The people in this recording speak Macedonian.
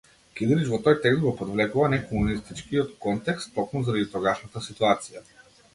Кидрич во тој текст го подвлекува некомунистичкиот контекст токму заради тогашната ситуација.